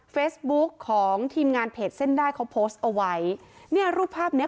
เฟซบุ๊คของทีมงานเพจเส้นได้เขาโพสต์เอาไว้เนี่ยรูปภาพเนี้ย